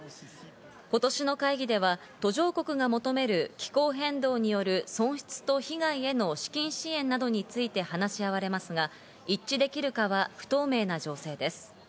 今年の会議では、途上国が求める気候変動による損失と被害への資金支援などについて話し合われますが、一致できるかは不透明な情勢です。